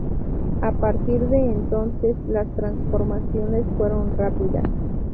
A partir de entonces las transformaciones fueron rápidas.